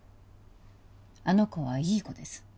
あの子はいい子です